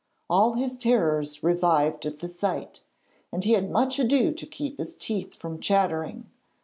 All his terrors revived at the sight, and he had much ado to keep his teeth from chattering.